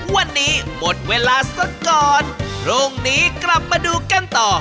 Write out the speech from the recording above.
วันนี้หมดเวลาสักก่อนพรุ่งนี้กลับมาดูกันต่อ